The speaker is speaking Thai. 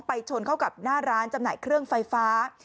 ชนเข้ากับหน้าร้านจำหน่ายเครื่องไฟฟ้า